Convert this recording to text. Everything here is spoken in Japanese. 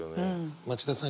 町田さん